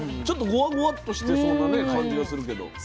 ちょっとゴワゴワッとしてそうなね感じはするけど。